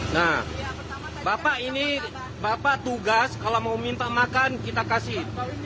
nah bapak ini bapak tugas kalau mau minta makan kita kasih